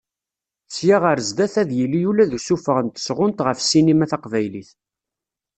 Sya ar sdat, ad d-yili ula usuffeɣ n tesɣunt ɣef ssinima taqbaylit.